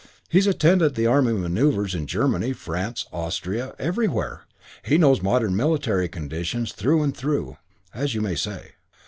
He's attended the army manoeuvres in Germany, France, Austria everywhere. He knows modern military conditions through and through, as you may say.